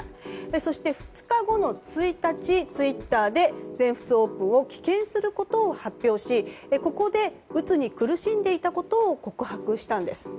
そして、２日後の１日ツイッターで全仏オープンを棄権することを発表しここでうつに苦しんでいたことを告白したんです。